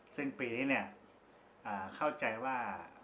ซึ่งปีนี้เนี่ยเข้าใจว่า